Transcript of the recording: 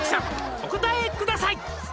お答えください」